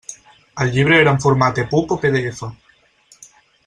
El llibre era en format EPUB o PDF?